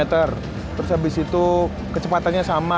terus habis itu kecepatannya sama